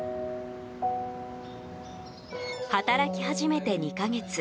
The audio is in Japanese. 働き始めて２か月。